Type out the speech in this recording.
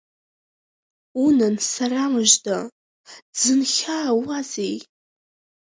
Унан, сара мыжда, дзынхьаауазеи?